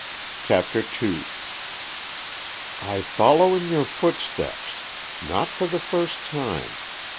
CHAPTER II "I follow in your footsteps." "Not for the first time."